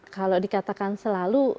kalau dikatakan selalu